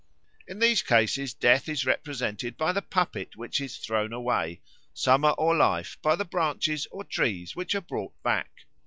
In these cases Death is represented by the puppet which is thrown away, Summer or Life by the branches or trees which are brought back.